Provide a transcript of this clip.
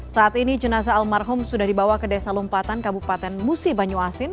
saat ini jenazah almarhum sudah dibawa ke desa lompatan kabupaten musi banyuasin